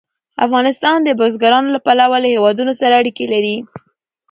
افغانستان د بزګانو له پلوه له هېوادونو سره اړیکې لري.